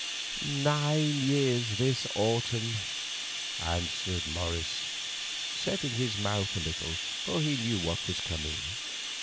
"Nine years this autumn," answered Morris, setting his mouth a little, for he knew what was coming.